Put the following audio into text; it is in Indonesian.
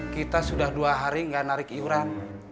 kita sudah dua hari gak narik iuran